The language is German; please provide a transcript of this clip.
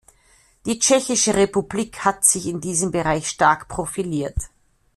Die Tschechische Republik hat sich in diesem Bereich stark profiliert.